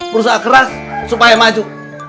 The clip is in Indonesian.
berusaha keras supaya maju